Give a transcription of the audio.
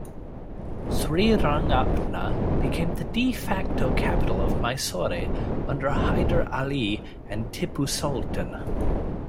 Srirangapatna became the "de facto" capital of Mysore under Hyder Ali and Tipu Sultan.